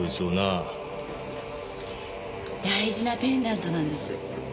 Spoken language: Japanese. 大事なペンダントなんです。